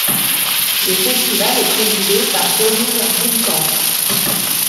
Le festival est présidé par Doreen Boonekamp.